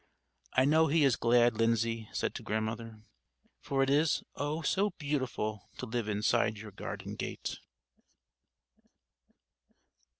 "I know he is glad," Lindsay said to Grandmother; "for it is, oh, so beautiful to live inside your garden gate!"